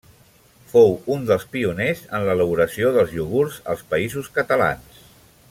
Fou un dels pioners en l'elaboració de iogurts als Països Catalans.